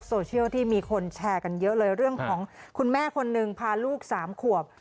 โซเชียลที่มีคนแชร์กันเยอะเลยคุณแม่คนหนึ่งพาลูก๓ขวบ